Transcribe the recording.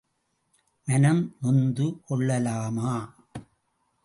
மனம் நொந்து கொள்ளலாமா?